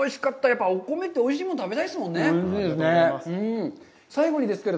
やっぱりお米っておいしいもん食べたいですよね。